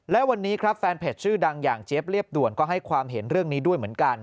และวันนี้ครับแฟนเพจชื่อดังอย่างเจี๊ยบเรียบด่วนก็ให้ความเห็นเรื่องนี้ด้วยเหมือนกัน